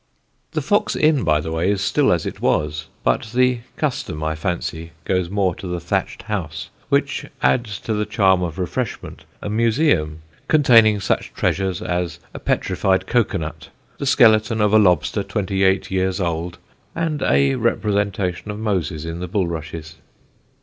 The Fox Inn, by the way, is still as it was, but the custom, I fancy, goes more to the Thatched House, which adds to the charms of refreshment a museum containing such treasures as a petrified cocoanut, the skeleton of a lobster twenty eight years old, and a representation of Moses in the bulrushes.